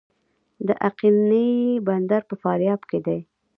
د اقینې بندر په فاریاب کې دی